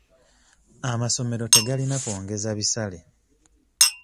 Amasomero tegalina kwongeza bisale.